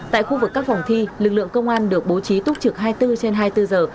tại khu vực các vòng thi lực lượng công an được bố trí túc trực hai mươi bốn trên hai mươi bốn giờ